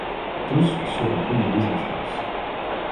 Tous seront publiés en France.